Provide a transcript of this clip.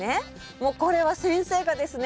もうこれは先生がですね